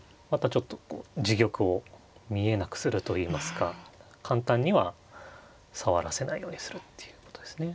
ちょっと自玉を見えなくするといいますか簡単には触らせないようにするっていうことですね。